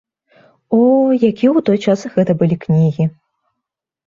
О, якія ў той час гэта былі кнігі!